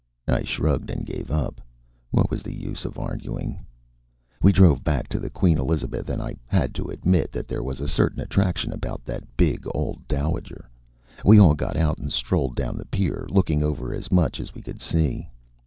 I shrugged and gave up. What was the use of arguing? We drove back to the Queen Elizabeth and I had to admit that there was a certain attraction about that big old dowager. We all got out and strolled down the pier, looking over as much as we could see.